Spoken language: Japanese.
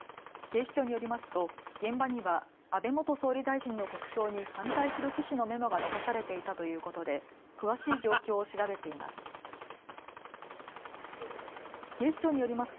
警視庁によりますと現場には安倍元総理大臣の国葬に反対する趣旨のメモが残されていたということで詳しい状況を調べています。